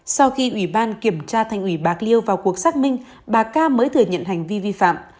sau khi ủy ban kiểm tra thành ủy bạc liêu vào cuộc xác minh bà ca mới thừa nhận hành vi vi phạm